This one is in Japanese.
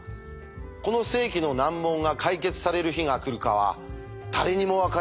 この世紀の難問が解決される日が来るかは誰にも分かりません。